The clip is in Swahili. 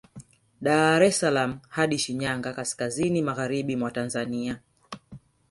Dar es salaam hadi Shinyanga kaskazini magharibi mwa Tanzania